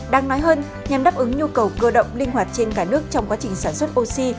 đang nói hơn nhằm đáp ứng nhu cầu cơ động linh hoạt trên cả nước trong quá trình sản xuất oxy